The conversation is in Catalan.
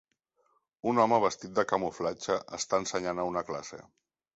Un home vestit de camuflatge està ensenyant a una classe.